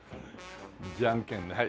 じゃんけんねはい。